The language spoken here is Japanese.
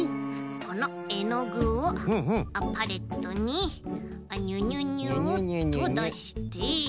このえのぐをパレットににゅにゅにゅと。にゅにゅにゅ。だして。